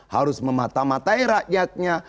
harus mematamatai rakyatnya